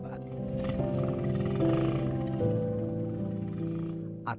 perjalanan ke sekolah menjadi semakin lambat